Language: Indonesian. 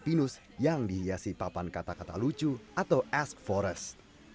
dan pilih papan pinus yang dihiasi papan kata kata lucu atau ask forest